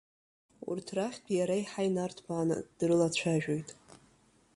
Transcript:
Урҭ рахьтә иара еиҳа инарҭбааны дрылацәажәоит.